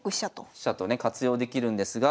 飛車とね活用できるんですが。